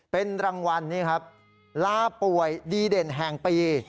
เป็นรางวัลนี่ครับลาป่วยดีเด่นแห่งปี